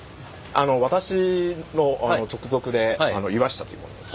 私の直属で岩下というものです。